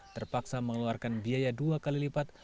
terpaksa mengeluarkan biaya dua kali lipat